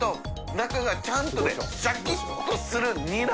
罎ちゃんとねシャキッとするニラ。